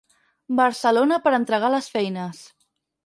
Barcelona per entregar les feines.